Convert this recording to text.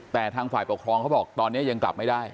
แต่ทางฝ่ายปกครองเขาบอกตอนนี้ยังกลับไม่ได้